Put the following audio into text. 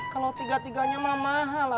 kalau neng ineke maksama